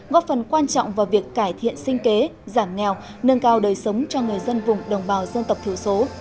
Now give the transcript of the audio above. góp phần quan trọng vào việc cải thiện sinh kế giảm nghèo nâng cao đời sống cho người dân vùng đồng bào dân tộc thiểu số